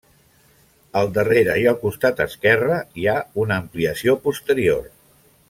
Al darrere i al costat esquerre hi ha una ampliació posterior.